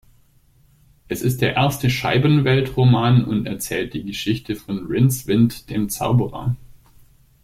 Es ist der erste Scheibenwelt-Roman und erzählt die Geschichten von "Rincewind" dem Zauberer.